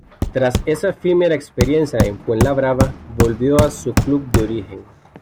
Tras esa efímera experiencia en Fuenlabrada, volvió a su club de origen.